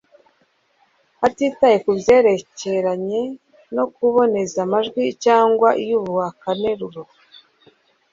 atitaye ku byerekeranye no kuboneza amajwi cyangwa iyubakanteruro